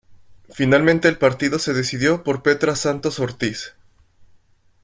Finalmente el partido se decidió por Petra Santos Ortiz.